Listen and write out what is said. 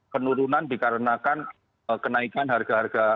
penurunan dikarenakan kenaikan harga harga